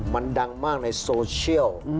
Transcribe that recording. มันดังมากในโซเชียล